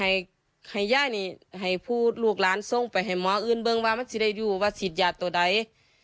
ให้เจ้าซ่อมไปให้หมออื่นว่ามันคือสิทธิ์ยาตัวไหน